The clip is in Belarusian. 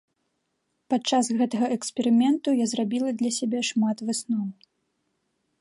Падчас гэтага эксперыменту я зрабіла для сябе шмат высноў.